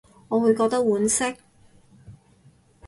我會覺得婉惜